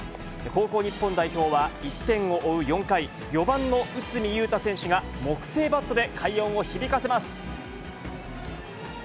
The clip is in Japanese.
高校日本代表は、１点を追う４回、４番の内海優太選手が木製バットで快音を響かせます。